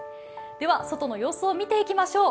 では外の様子を見ていきましょう。